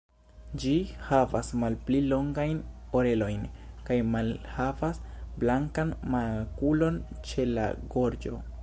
Ĝi havas malpli longajn orelojn kaj malhavas blankan makulon ĉe la gorĝo.